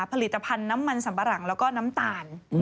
ผลิตภัณฑ์น้ำมันสัมปะหลังแล้วก็น้ำตาล